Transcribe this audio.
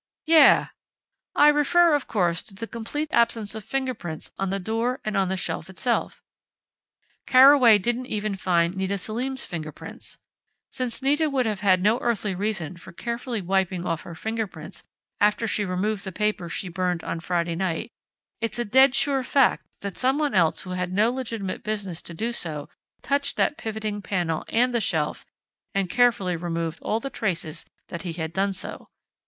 "Yeah!... I refer, of course, to the complete absence of fingerprints on the door and on the shelf itself! Carraway didn't even find Nita Selim's fingerprints. Since Nita would have had no earthly reason for carefully wiping off her fingerprints after she removed the papers she burned on Friday night, it's a dead sure fact that someone else who had no legitimate business to do so, touched that pivoting panel and the shelf, and carefully removed all traces that he had done so!...